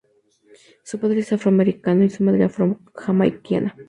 Su padre era afroamericano y su madre afro-jamaiquina.